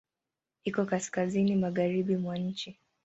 Iko kaskazini magharibi mwa nchi.